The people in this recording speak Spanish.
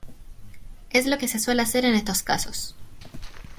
es lo que se suele hacer en estos casos.